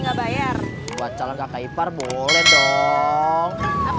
nggak bayar buat calon kakak ipar boleh dong